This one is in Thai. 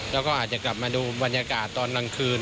แล้วก็อาจจะกลับมาดูบรรยากาศตอนกลางคืน